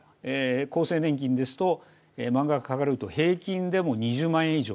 厚生年金ですと満額払われると平均でも２０万円以上。